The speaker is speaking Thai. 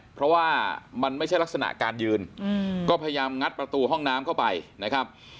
เพราะว่ามันไม่ใช่ลักษณะการยืนก็พยายามงัดประตูห้องน้ำเข้าไปนะครับ